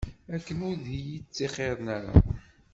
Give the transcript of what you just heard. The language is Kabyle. Akken ur d iyi-ttixiṛen ara.